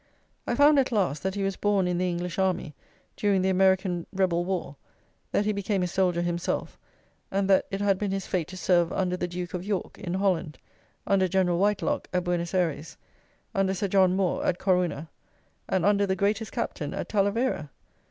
I found, at last, that he was born in the English army, during the American rebel war; that he became a soldier himself; and that it had been his fate to serve under the Duke of York, in Holland; under General Whitelock, at Buenos Ayres; under Sir John Moore, at Corunna; and under "the Greatest Captain," at Talavera!